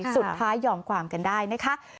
สุดท้ายยอมความกันได้นะคะ